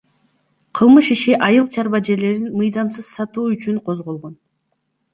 Кылмыш иши айыл чарба жерлерин мыйзамсыз сатуу үчүн козголгон